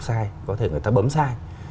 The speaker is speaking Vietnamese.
sai có thể người ta bấm sai